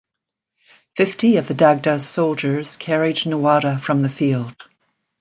Fifty of the Dagda's soldiers carried Nuada from the field.